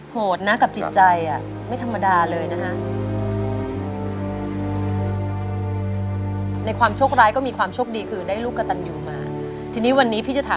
โหดนะกับจิตใจไม่ธรรมดาเลยนะฮะ